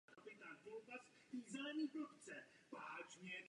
To je váš svět, ne můj.